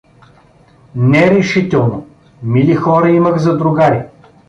Не, решително, мили хора имах за другари.